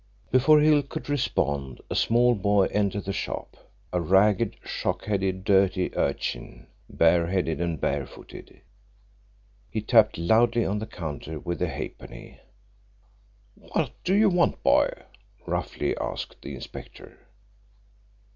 Before Hill could respond a small boy entered the shop a ragged, shock headed dirty urchin, bareheaded and barefooted. He tapped loudly on the counter with a halfpenny. "What do you want, boy?" roughly asked the inspector.